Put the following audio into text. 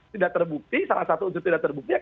tidak terbukti salah satu unsur tidak terbukti